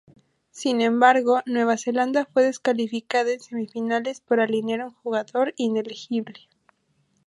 Sin embargo, Nueva Zelanda fue descalificada en semifinales por alinear un jugador inelegible.